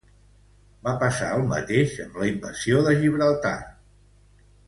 Va passar el mateix amb la invasió de Gibraltar.